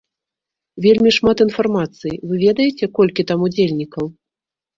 Вельмі шмат інфармацыі, вы ведаеце, колькі там удзельнікаў.